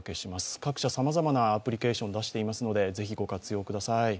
各社さまざまなアプリケーションを出していますので、ぜひ、ご活用ください。